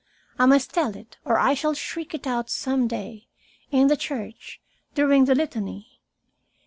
I must tell it, or I shall shriek it out some day, in the church, during the Litany.